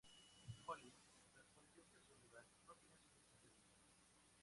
Holly respondió que Sullivan no tenía suficiente dinero.